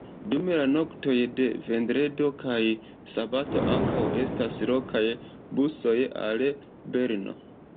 Dum la noktoj de vendredo kaj sabato ankaŭ estas lokaj busoj al Berno.